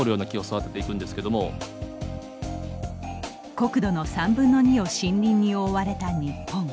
国土の３分の２を森林に覆われた日本。